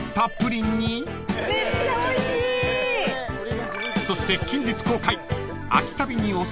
［そして近日公開］